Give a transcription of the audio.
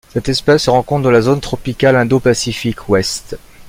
Cette espèce se rencontre dans la zone tropicale indo-pacifique Ouest.